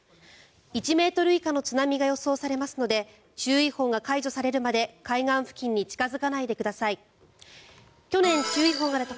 １ｍ以下の津波が予想されますので注意報が解除されるまで海岸付近に近付かないでください。